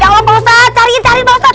jangan pak ustadz cariin carin pak ustadz